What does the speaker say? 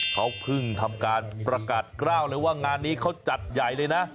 เขาเพิ่งทำการประกาศกล้าวเลยว่างานนี้เขาจัดใหญ่เลยนะ